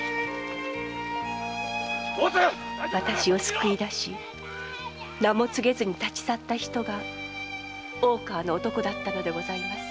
〕私を救いだし名も告げずに立ち去った人が大川の男だったのでございます。